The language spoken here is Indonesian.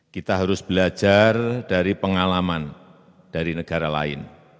kita harus belajar dari pengalaman dari negara lain